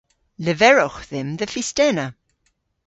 Leverewgh dhymm dhe fistena.